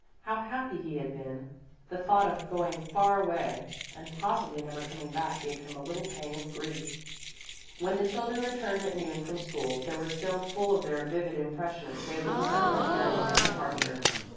How happy he had been! The thought of going far away and possibly never coming back gave him a little pang of grief. When the children returned at noon from school they were still full of their vivid impression of Salo's sudden appearance and departure.